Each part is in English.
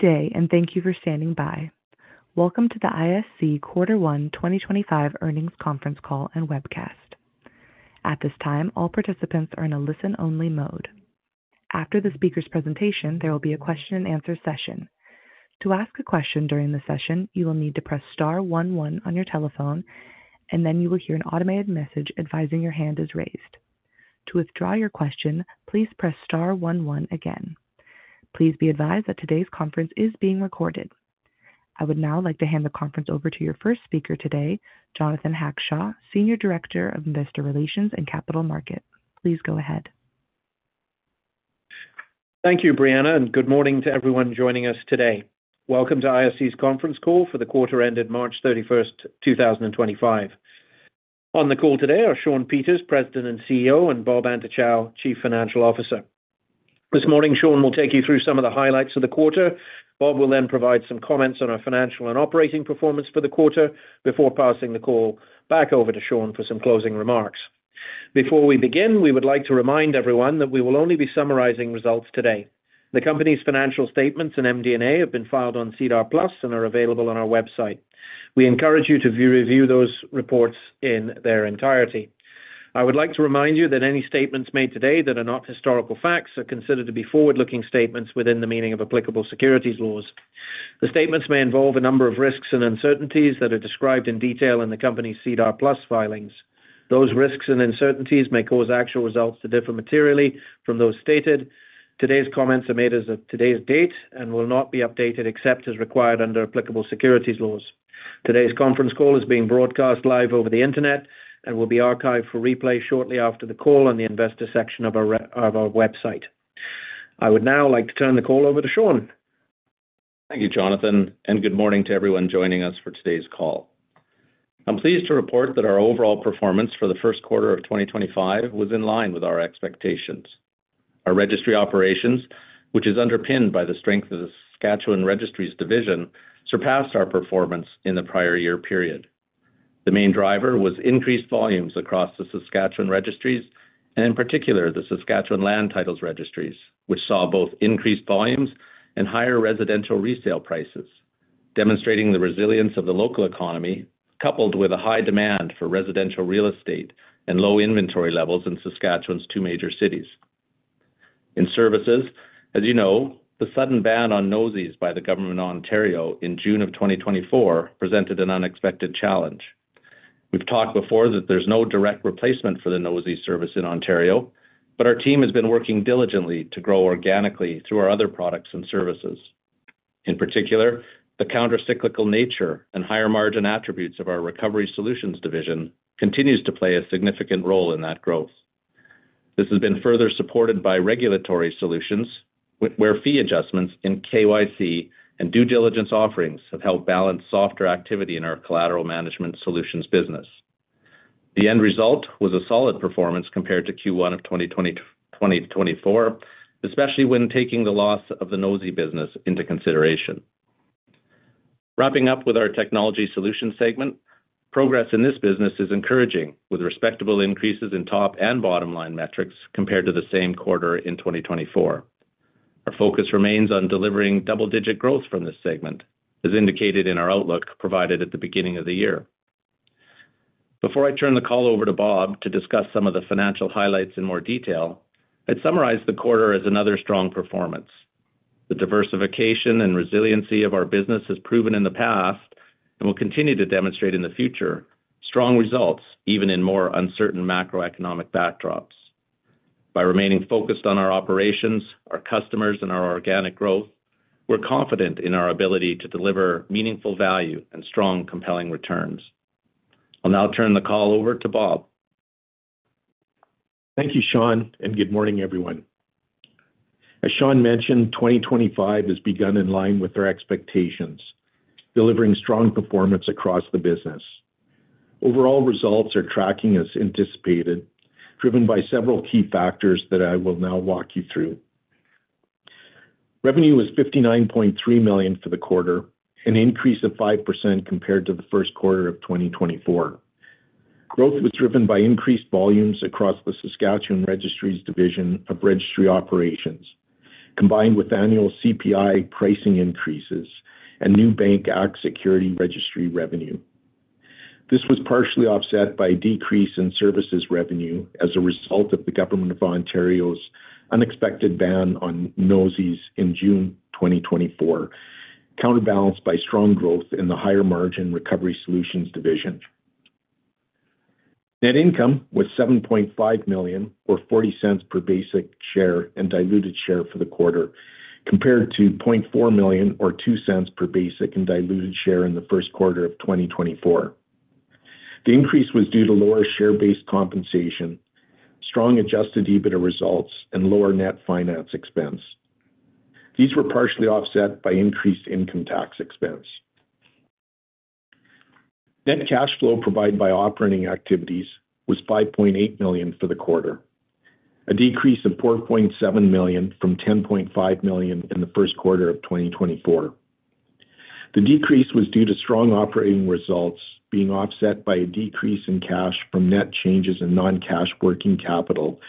Good day, and thank you for standing by. Welcome to the ISC Quarter One 2025 earnings Conference Call and Webcast. At this time, all participants are in a listen-only mode. After the speaker's presentation, there will be a question-and-answer session. To ask a question during the session, you will need to press Star one one on your telephone, and then you will hear an automated message advising your hand is raised. To withdraw your question, please press Star one one again. Please be advised that today's conference is being recorded. I would now like to hand the conference over to your first speaker today, Jonathan Hackshaw, Senior Director of Investor Relations and Capital Markets. Please go ahead. Thank you, Briana, and good morning to everyone joining us today. Welcome to ISC's Conference Call for the quarter ended March 31, 2025. On the call today are Shawn Peters, President and CEO, and Bob Antochow, Chief Financial Officer. This morning, Shawn will take you through some of the highlights of the quarter. Bob will then provide some comments on our financial and operating performance for the quarter before passing the call back over to Shawn for some closing remarks. Before we begin, we would like to remind everyone that we will only be summarizing results today. The company's financial statements and MD&A have been filed on SEDAR+ and are available on our website. We encourage you to review those reports in their entirety. I would like to remind you that any statements made today that are not historical facts are considered to be forward-looking statements within the meaning of applicable securities laws. The statements may involve a number of risks and uncertainties that are described in detail in the company's SEDAR+ filings. Those risks and uncertainties may cause actual results to differ materially from those stated. Today's comments are made as of today's date and will not be updated except as required under applicable securities laws. Today's conference call is being broadcast live over the internet and will be archived for replay shortly after the call on the investor section of our website. I would now like to turn the call over to Shawn. Thank you, Jonathan, and good morning to everyone joining us for today's call. I'm pleased to report that our overall performance for the first quarter of 2025 was in line with our expectations. Our registry operations, which is underpinned by the strength of the Saskatchewan Registries Division, surpassed our performance in the prior year period. The main driver was increased volumes across the Saskatchewan Registries, and in particular, the Saskatchewan Land Titles Registries, which saw both increased volumes and higher residential resale prices, demonstrating the resilience of the local economy, coupled with a high demand for residential real estate and low inventory levels in Saskatchewan's two major cities. In services, as you know, the sudden ban on NOSI by the government of Ontario in June of 2024 presented an unexpected challenge. We've talked before that there's no direct replacement for the NOSI service in Ontario, but our team has been working diligently to grow organically through our other products and services. In particular, the countercyclical nature and higher margin attributes of our Recovery Solutions division continues to play a significant role in that growth. This has been further supported by Regulatory Solutions, where fee adjustments in KYC and due diligence offerings have helped balance softer activity in our Collateral Management Solutions Business. The end result was a solid performance compared to Q1 of 2024, especially when taking the loss of the NOSI business into consideration. Wrapping up with our Technology Solutions segment, progress in this business is encouraging with respectable increases in top and bottom line metrics compared to the same quarter in 2024. Our focus remains on delivering double-digit growth from this segment, as indicated in our outlook provided at the beginning of the year. Before I turn the call over to Bob to discuss some of the financial highlights in more detail, I'd summarize the quarter as another strong performance. The diversification and resiliency of our business has proven in the past and will continue to demonstrate in the future strong results, even in more uncertain macroeconomic backdrops. By remaining focused on our operations, our customers, and our organic growth, we're confident in our ability to deliver meaningful value and strong, compelling returns. I'll now turn the call over to Bob. Thank you, Shawn, and good morning, everyone. As Shawn mentioned, 2025 has begun in line with our expectations, delivering strong performance across the business. Overall results are tracking as anticipated, driven by several key factors that I will now walk you through. Revenue was 59.3 million for the quarter, an increase of 5% compared to the first quarter of 2024. Growth was driven by increased volumes across the Saskatchewan Registries Division of Registry Operations, combined with annual CPI pricing increases and new bank acts security registry revenue. This was partially offset by a decrease in services revenue as a result of the government of Ontario's unexpected ban on NOSI in June 2024, counterbalanced by strong growth in the higher margin recovery solutions division. Net income was CAD 7.5 million, or 0.40 per basic share and diluted share for the quarter, compared to CAD 0.4 million, or 0.02 per basic and diluted share in the first quarter of 2024. The increase was due to lower share-based compensation, strong adjusted EBITDA results, and lower net finance expense. These were partially offset by increased income tax expense. Net cash flow provided by operating activities was 5.8 million for the quarter, a decrease of 4.7 million from 10.5 million in the first quarter of 2024. The decrease was due to strong operating results being offset by a decrease in cash from net changes in non-cash working capital,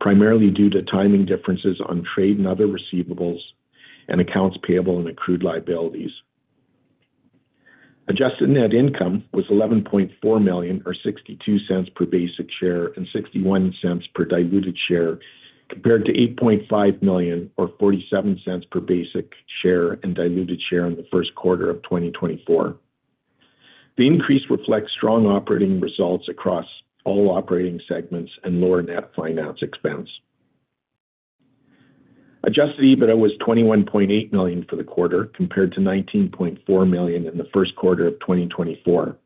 primarily due to timing differences on trade and other receivables and accounts payable and accrued liabilities. Adjusted net income was 11.4 million, or 0.62 per basic share and 0.61 per diluted share, compared to 8.5 million, or 0.47 per basic share and diluted share in the first quarter of 2024. The increase reflects strong operating results across all operating segments and lower net finance expense. Adjusted EBITDA was 21.8 million for the quarter, compared to 19.4 million in the first quarter of 2024.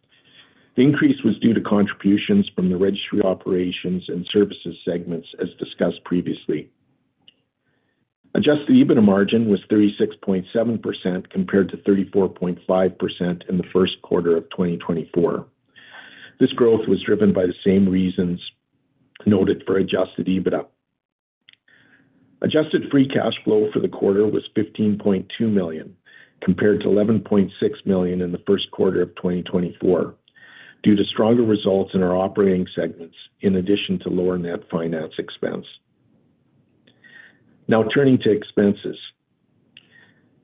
The increase was due to contributions from the registry operations and services segments, as discussed previously. Adjusted EBITDA margin was 36.7% compared to 34.5% in the first quarter of 2024. This growth was driven by the same reasons noted for adjusted EBITDA. Adjusted free cash flow for the quarter was 15.2 million, compared to 11.6 million in the first quarter of 2024, due to stronger results in our operating segments, in addition to lower net finance expense. Now turning to expenses.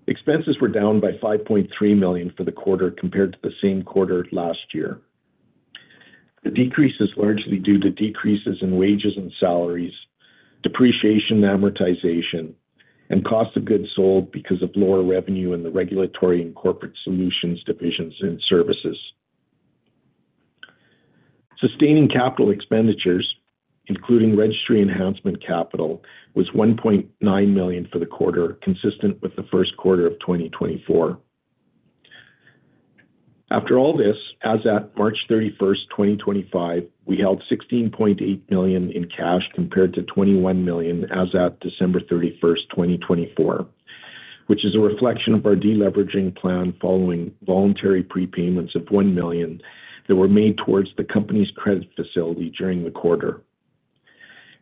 Expenses were down by 5.3 million for the quarter compared to the same quarter last year. The decrease is largely due to decreases in wages and salaries, depreciation amortization, and cost of goods sold because of lower revenue in the regulatory and corporate solutions divisions and services. Sustaining capital expenditures, including registry enhancement capital, was 1.9 million for the quarter, consistent with the first quarter of 2024. After all this, as at March 31st, 2025, we held 16.8 million in cash compared to 21 million as at December 31st, 2024, which is a reflection of our deleveraging plan following voluntary prepayments of 1 million that were made towards the company's credit facility during the quarter.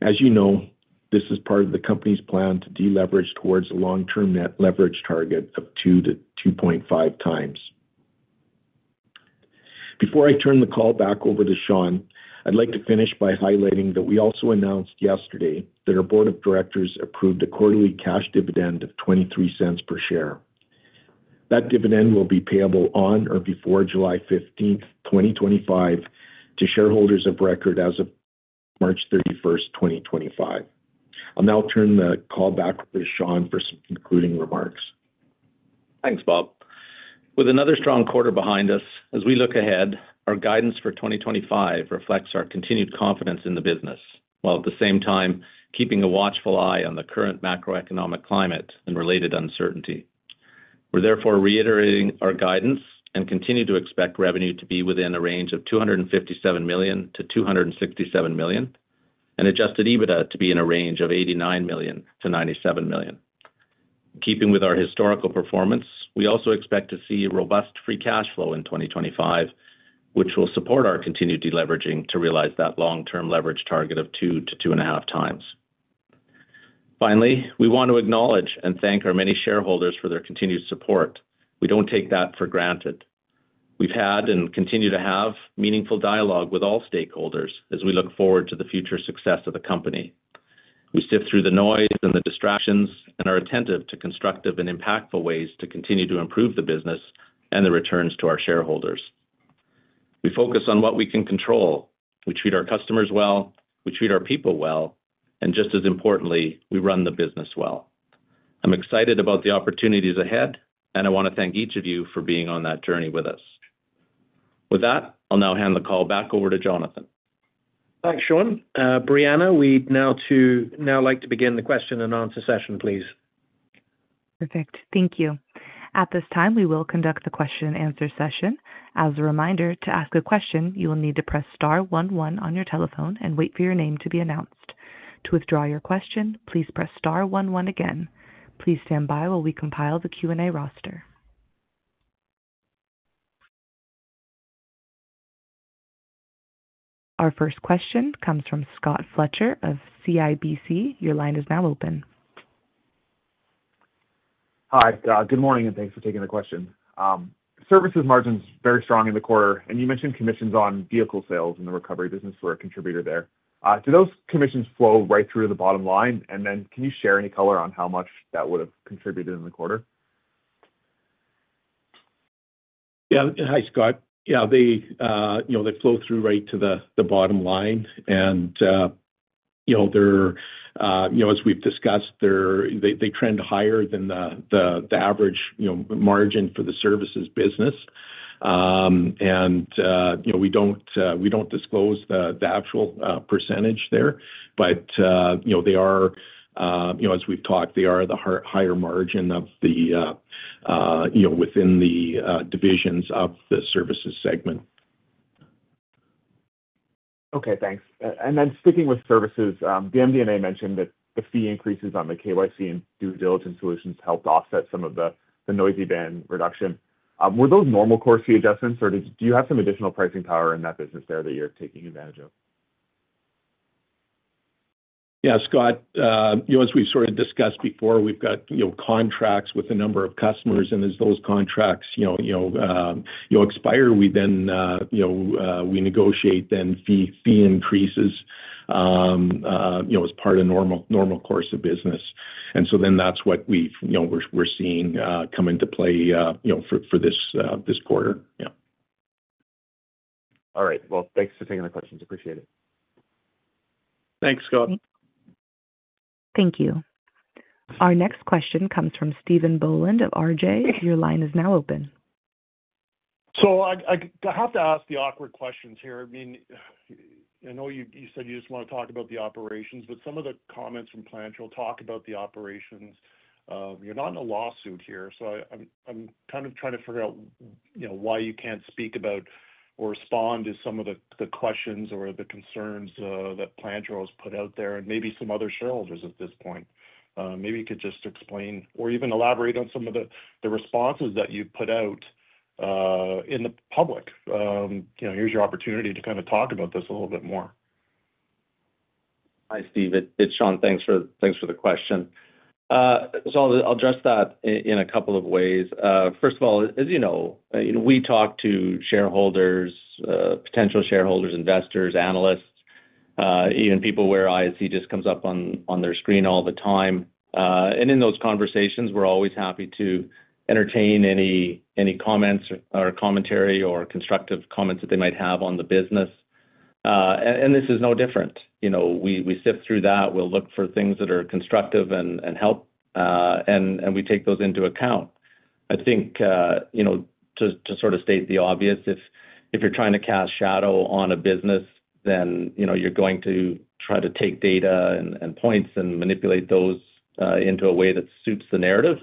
As you know, this is part of the company's plan to deleverage towards a long-term net leverage target of 2-2.5 times. Before I turn the call back over to Shawn, I'd like to finish by highlighting that we also announced yesterday that our board of directors approved a quarterly cash dividend of 0.23 per share. That dividend will be payable on or before July 15th, 2025, to shareholders of record as of March 31st, 2025. I'll now turn the call back over to Shawn for some concluding remarks. Thanks, Bob. With another strong quarter behind us, as we look ahead, our guidance for 2025 reflects our continued confidence in the business, while at the same time keeping a watchful eye on the current macroeconomic climate and related uncertainty. We're therefore reiterating our guidance and continue to expect revenue to be within a range of 257 million-267 million, and adjusted EBITDA to be in a range of 89 million-97 million. Keeping with our historical performance, we also expect to see robust free cash flow in 2025, which will support our continued deleveraging to realize that long-term leverage target of 2-2.5 times. Finally, we want to acknowledge and thank our many shareholders for their continued support. We don't take that for granted. We've had and continue to have meaningful dialogue with all stakeholders as we look forward to the future success of the company. We sift through the noise and the distractions and are attentive to constructive and impactful ways to continue to improve the business and the returns to our shareholders. We focus on what we can control. We treat our customers well. We treat our people well. Just as importantly, we run the business well. I'm excited about the opportunities ahead, and I want to thank each of you for being on that journey with us. With that, I'll now hand the call back over to Jonathan. Thanks, Shawn. Briana, we'd now like to begin the question and answer session, please. Perfect. Thank you. At this time, we will conduct the question and answer session. As a reminder, to ask a question, you will need to press Star one one on your telephone and wait for your name to be announced. To withdraw your question, please press Star one one again. Please stand by while we compile the Q&A roster. Our first question comes from Scott Fletcher of CIBC. Your line is now open. Hi, good morning, and thanks for taking the question. Services margin is very strong in the quarter, and you mentioned commissions on vehicle sales in the recovery business for a contributor there. Do those commissions flow right through to the bottom line? Can you share any color on how much that would have contributed in the quarter? Yeah. Hi, Scott. Yeah, they flow through right to the bottom line. As we've discussed, they trend higher than the average margin for the services business. We do not disclose the actual percentage there, but they are, as we've talked, they are the higher margin within the divisions of the services segment. Okay. Thanks. Then sticking with services, the MD&A mentioned that the fee increases on the KYC and due diligence solutions helped offset some of the NOSI ban reduction. Were those normal course fee adjustments, or do you have some additional pricing power in that business there that you're taking advantage of? Yeah, Scott, as we've sort of discussed before, we've got contracts with a number of customers, and as those contracts expire, we negotiate then fee increases as part of normal course of business. That is what we're seeing come into play for this quarter. Yeah. All right. Thanks for taking the questions. Appreciate it. Thanks, Scott. Thank you. Our next question comes from Stephen Boland of Raymond James. Your line is now open. I have to ask the awkward questions here. I mean, I know you said you just want to talk about the operations, but some of the comments from Planche will talk about the operations. You're not in a lawsuit here, so I'm kind of trying to figure out why you can't speak about or respond to some of the questions or the concerns that Planche always put out there and maybe some other shareholders at this point. Maybe you could just explain or even elaborate on some of the responses that you put out in the public. Here's your opportunity to kind of talk about this a little bit more. Hi, Stephen. It's Shawn. Thanks for the question. I'll address that in a couple of ways. First of all, as you know, we talk to shareholders, potential shareholders, investors, analysts, even people where ISC just comes up on their screen all the time. In those conversations, we're always happy to entertain any comments or commentary or constructive comments that they might have on the business. This is no different. We sift through that, we look for things that are constructive and help, and we take those into account. I think to sort of state the obvious, if you're trying to cast shadow on a business, then you're going to try to take data and points and manipulate those into a way that suits the narrative.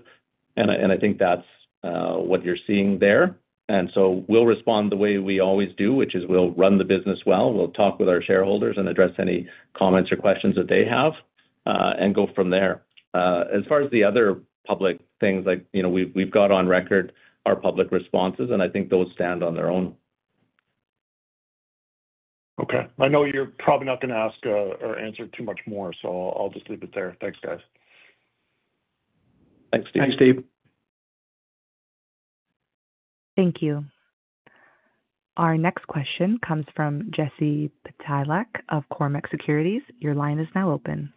I think that's what you're seeing there. We will respond the way we always do, which is we will run the business well. We will talk with our shareholders and address any comments or questions that they have and go from there. As far as the other public things, we have on record our public responses, and I think those stand on their own. Okay. I know you're probably not going to ask or answer too much more, so I'll just leave it there. Thanks, guys. Thanks, Stephen. Thanks, Stephen. Thank you. Our next question comes from Jesse Pytlak of Cormark Securities. Your line is now open.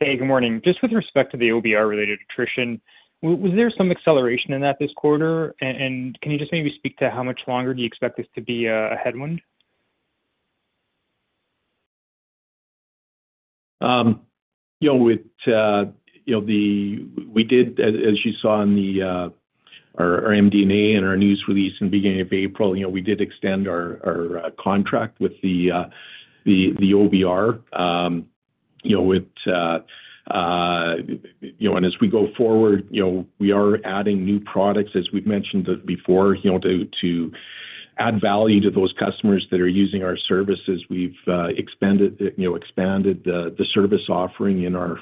Hey, good morning. Just with respect to the OBR related attrition, was there some acceleration in that this quarter? Can you just maybe speak to how much longer you expect this to be a headwind? We did, as you saw in our MD&A and our news release in the beginning of April, we did extend our contract with the OBR. As we go forward, we are adding new products, as we've mentioned before, to add value to those customers that are using our services. We've expanded the service offering in our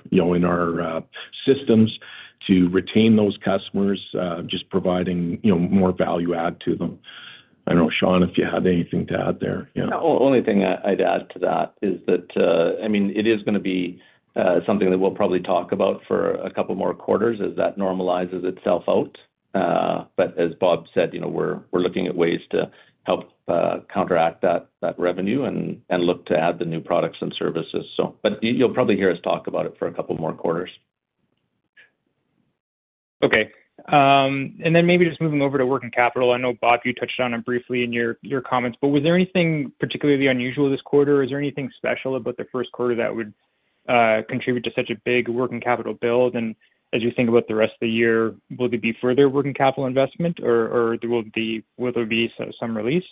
systems to retain those customers, just providing more value-add to them. I don't know, Shawn, if you had anything to add there. The only thing I'd add to that is that, I mean, it is going to be something that we'll probably talk about for a couple more quarters as that normalizes itself out. As Bob said, we're looking at ways to help counteract that revenue and look to add the new products and services. You'll probably hear us talk about it for a couple more quarters. Okay. Maybe just moving over to working capital. I know, Bob, you touched on it briefly in your comments, but was there anything particularly unusual this quarter? Is there anything special about the first quarter that would contribute to such a big working capital build? As you think about the rest of the year, will there be further working capital investment, or will there be some release?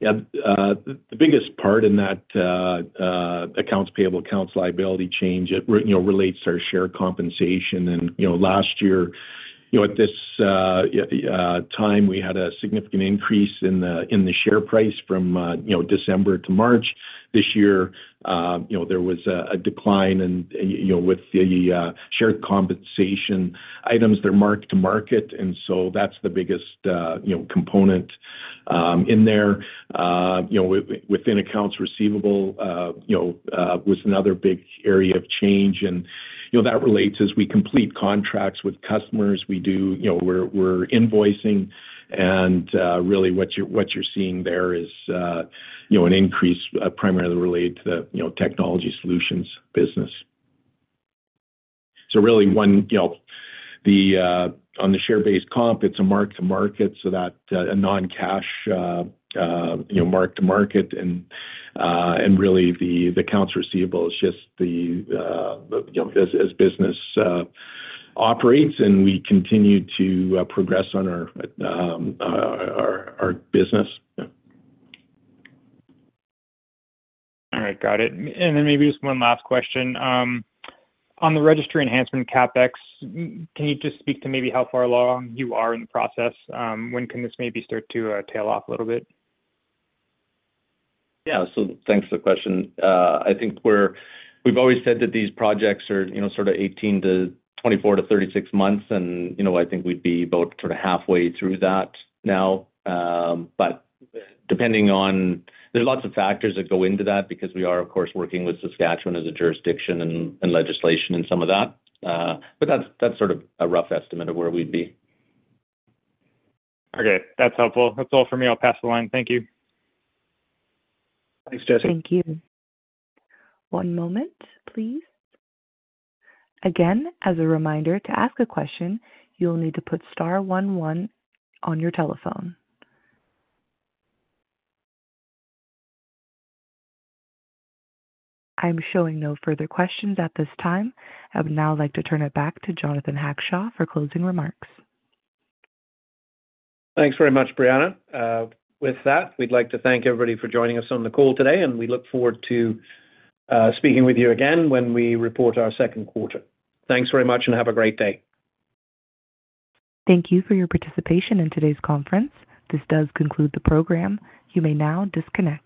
Yeah. The biggest part in that accounts payable, accounts liability change relates to our share-based compensation. Last year, at this time, we had a significant increase in the share price from December to March. This year, there was a decline with the share-based compensation items that are marked to market. That is the biggest component in there. Within accounts receivable was another big area of change. That relates as we complete contracts with customers, we are invoicing. What you are seeing there is an increase primarily related to the technology solutions business. On the share-based comp, it is a mark-to-market, so that is a non-cash mark-to-market. The accounts receivable is just as business operates, and we continue to progress on our business. All right. Got it. Maybe just one last question. On the registry enhancement CapEx, can you just speak to maybe how far along you are in the process? When can this maybe start to tail off a little bit? Yeah. Thanks for the question. I think we've always said that these projects are sort of 18-24-36 months. I think we'd be about sort of halfway through that now. Depending on, there's lots of factors that go into that because we are, of course, working with Saskatchewan as a jurisdiction and legislation and some of that. That's sort of a rough estimate of where we'd be. Okay. That's helpful. That's all for me. I'll pass the line. Thank you. Thanks, Jesse. Thank you. One moment, please. Again, as a reminder to ask a question, you'll need to put Star one one on your telephone. I'm showing no further questions at this time. I would now like to turn it back to Jonathan Hackshaw for closing remarks. Thanks very much, Briana. With that, we'd like to thank everybody for joining us on the call today, and we look forward to speaking with you again when we report our second quarter. Thanks very much, and have a great day. Thank you for your participation in today's conference. This does conclude the program. You may now disconnect.